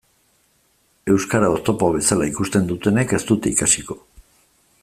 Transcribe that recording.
Euskara oztopo bezala ikusten dutenek ez dute ikasiko.